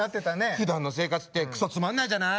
ふだんの生活ってくそつまんないじゃない？